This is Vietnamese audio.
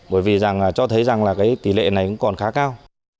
bởi vì rằng cho thấy rằng là cái tỷ lệ này cũng còn khá cao